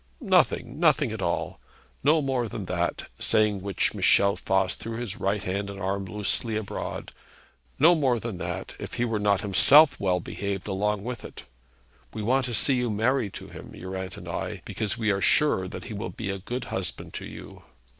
'Nothing; nothing at all. No more than that,' saying which Michel Voss threw his right hand and arm loosely abroad; 'no more than that, if he were not himself well behaved along with it. We want to see you married to him, your aunt and I, because we are sure that he will be a good husband to you.'